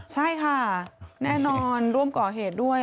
ใช่ค่ะแน่นอนร่วมก่อเหตุด้วย